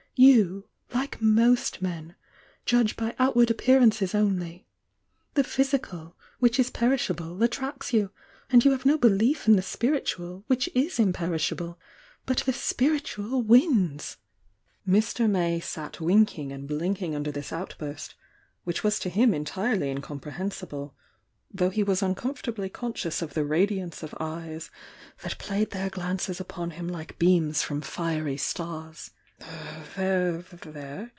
Vou, like most men, judge by outward appearances only. The physictd, which is perishable, attracts you — and you have no belief in the spiritual, which is imperishable. But the spiritual wins!" Mr. May sat winking and blinking under this out burst, which was to him entirely incomprehensible, though he was uncomfortably conscious of the radi ance of eyes that played their glances upon him like beams from fiery' stars. "There, there!"